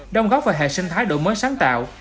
đồng góp vào hệ sinh thái đổi mới sáng tạo